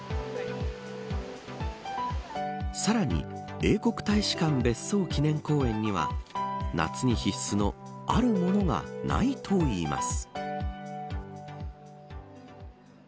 さらに英国大使館別荘記念公園には夏に必須のあるものがないといいます。